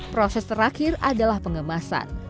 proses terakhir adalah pengemasan